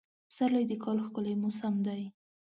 پسرلی د کال ښکلی موسم دی.